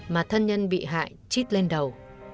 mà thân nhân bị hại chít lên đầu